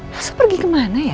masa pergi kemana ya